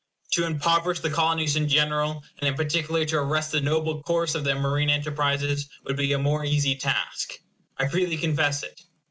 To impoverish the Colonies in general, and in particular to arrest the noble course of their marine enterprises, would be a more easy task. I freely confess it.